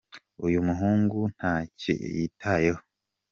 uyumuhungu ntacyoyitayeho